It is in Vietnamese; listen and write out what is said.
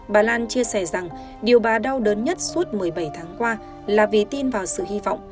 bà lan chia sẻ rằng điều bà đau đớn nhất suốt một mươi bảy tháng qua là vì tin vào sự hy vọng